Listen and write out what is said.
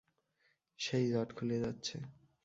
সেই জট খুলে যাচ্ছে।